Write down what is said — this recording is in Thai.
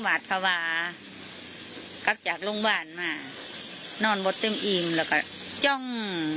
วาดภาวากับจากโรงบาลมานอนบนเต็มอีมแล้วก็จ้อง